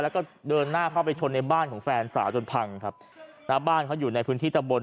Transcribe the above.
แล้วก็เดินหน้าเข้าไปชนในบ้านของแฟนสาวจนพังครับนะบ้านเขาอยู่ในพื้นที่ตะบน